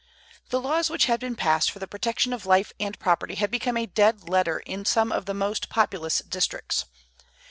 The laws which had been passed for the protection of life and property had become a dead letter in some of the most populous districts.